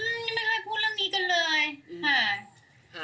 ยังไม่เคยพูดเรื่องนี้กันเลยค่ะ